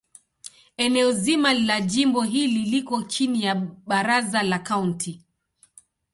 Eneo zima la jimbo hili liko chini ya Baraza la Kaunti.